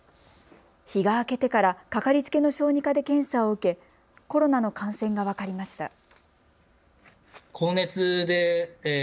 日が明けてからかかりつけの小児科で検査を受けコロナの感染が分かりました。